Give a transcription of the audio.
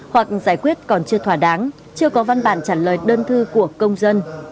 hoặc giải quyết còn chưa thỏa đáng chưa có văn bản trả lời đơn thư của công dân